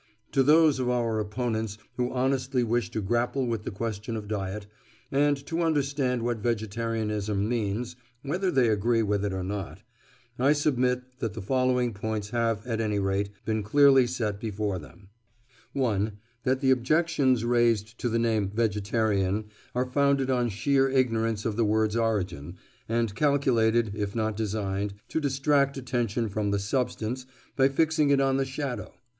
To those of our opponents who honestly wish to grapple with the question of diet, and to understand what vegetarianism means (whether they agree with it or not), I submit that the following points have, at any rate, been clearly set before them: 1. That the objections raised to the name "vegetarian" are founded on sheer ignorance of the word's origin, and calculated, if not designed, to distract attention from the substance by fixing it on the shadow.